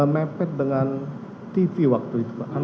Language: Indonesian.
mepet dengan tv waktu itu pak